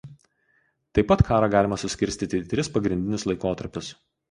Taip pat karą galima suskirstyti į tris pagrindinius laikotarpius.